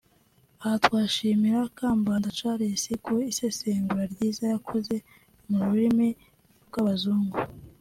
Aha twashimira Kambanda Charles ku isesengura ryiza yakoze (mu rurimi rw’abazungu)